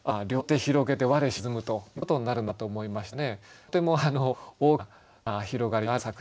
広げて我沈む」ということになるのかなと思いましてね。